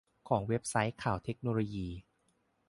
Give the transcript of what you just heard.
ของเว็บไซต์ข่าวเทคโนโลยี